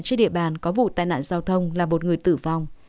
trên địa bàn có vụ tai nạn giao thông là một người tử vong